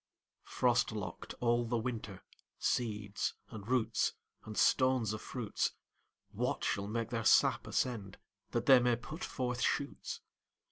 Frost locked all the winter, Seeds, and roots, and stones of fruits, What shall make their sap ascend That they may put forth shoots?